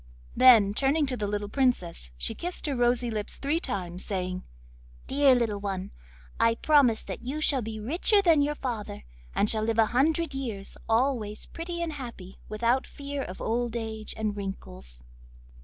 Then, turning to the little Princess, she kissed her rosy lips three times, saying: 'Dear little one, I promise that you shall be richer than your father, and shall live a hundred years, always pretty and happy, without fear of old age and wrinkles.